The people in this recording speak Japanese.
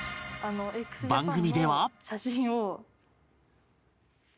番組では